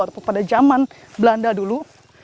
ataupun pada zaman belanda dulu